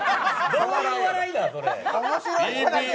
どういう笑いだ、それ。